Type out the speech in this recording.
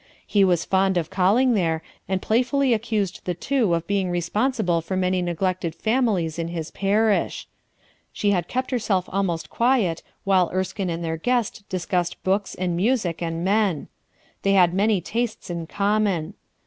He was fond of calling there, and playfully accused the two of being respon sible for many neglected families in his parish* She had kept herself almost quiet while Erskine 14 RUTH ERSKINE'S SON and their guest discussed books and music and men. They had many tastes in common.